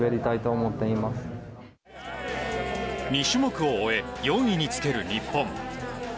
２種目を終え４位につける日本。